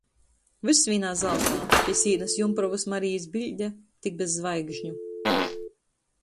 Vyss vīnā zaltā, pi sīnys Jumprovys Marijis biļde, tik bez zvaigžņu.